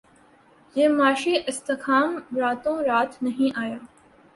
یہ معاشی استحکام راتوں رات نہیں آیا